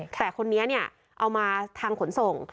แต่คนนี้เอามาทางขนส่ง